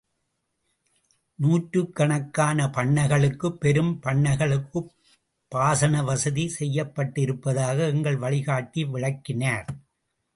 நூற்றுக்கணக்கான பண்ணைகளுக்குப் பெரும் பண்ணைகளுக்குப் பாசன வசதி செய்யப்பட்டிருப்பதாக எங்கள் வழிகாட்டி விளக்கினார்.